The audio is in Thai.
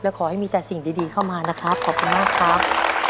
และขอให้มีแต่สิ่งดีเข้ามานะครับขอบคุณมากครับ